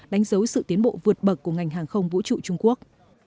đánh dấu sự tiến bộ vượt bậc của ngành hàng không vũ trụ trung quốc